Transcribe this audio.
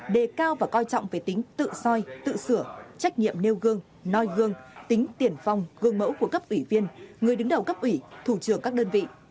đề cao và coi trọng về tính tự soi tự sửa trách nhiệm nêu gương noi gương tính tiền phong gương mẫu của cấp ủy viên người đứng đầu cấp ủy thủ trưởng các đơn vị